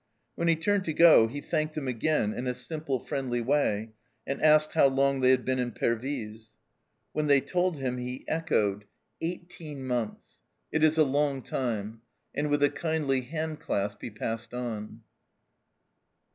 When he turned to go he thanked them again in a simple, friendly way, and asked how long they had been in Pervyse. When they told him, he echoed, " Eighteen ENTER ROMANCE 265 months ! It is a long time," and with a kindly hand clasp he passed on.